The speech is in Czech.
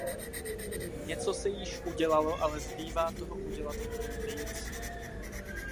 Něco se již udělalo, ale zbývá toho udělat mnohem víc.